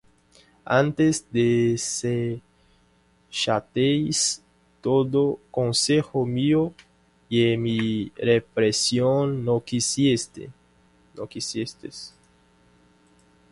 Antes desechasteis todo consejo mío, Y mi reprensión no quisisteis: